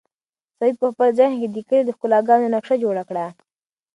سعید په خپل ذهن کې د کلي د ښکلاګانو نقشه جوړه کړه.